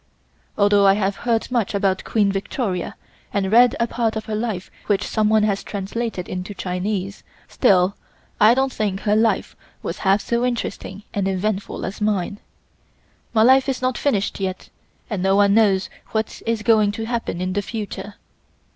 Although I have heard much about Queen Victoria and read a part of her life which someone has translated into Chinese, still I don't think her life was half so interesting and eventful as mine. My life is not finished yet and no one knows what is going to happen in the future.